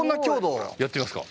やってみますか？